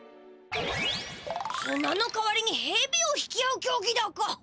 つなの代わりにヘビを引き合うきょうぎだか！